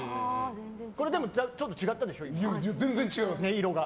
これでもちょっと違ったでしょ、音色が。